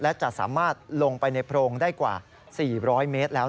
และจะสามารถลงไปในโพรงได้กว่า๔๐๐เมตรแล้ว